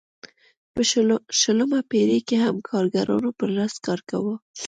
په شلمه پېړۍ کې هم کارګرانو پر لاس کار کاوه.